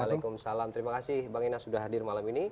waalaikumsalam terima kasih bang inas sudah hadir malam ini